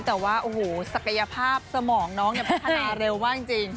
แต่ว่าโอ้โหศักยภาพสมองน้องเนี่ยพัฒนาเร็วมากจริง